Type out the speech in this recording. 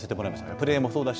プレーもそうだし